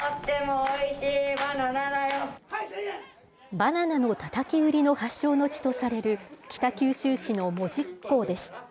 バナナのたたき売りの発祥の地とされる、北九州市の門司港です。